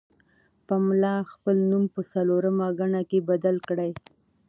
پملا خپل نوم په څلورمه ګڼه کې بدل کړ.